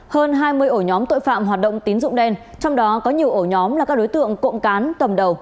hơn hai mươi ổ nhóm tội phạm hoạt động tín dụng đen trong đó có nhiều ổ nhóm là các đối tượng cộng cán cầm đầu